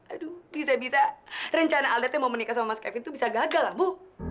aduh bisa bisa rencana alta teh mau menikah sama mas kevin tuh bisa gagal ambu